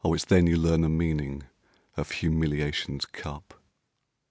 it's then you learn the meaning of humiliation's cup.